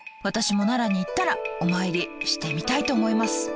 私も奈良に行ったらお参りしてみたいと思います。